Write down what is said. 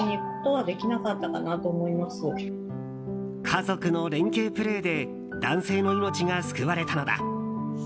家族の連携プレーで男性の命が救われたのだ。